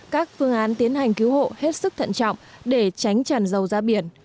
các phương án tiến hành cứu hộ hết sức thận trọng để tránh tràn dầu ra biển